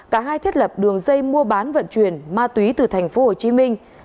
cả hai thiết lập đường dây mua bán vận chuyển ma túy từ tp hcm